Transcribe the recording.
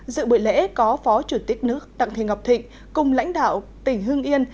dự buổi lễ có phó chủ tịch nước đặng thị ngọc thịnh cùng lãnh đạo tỉnh hương yên